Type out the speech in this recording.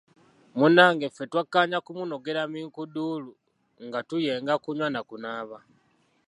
Munnange ffe twakanyanga kumunogera minkuduulu nga tuyenga kunywa na kunaaba.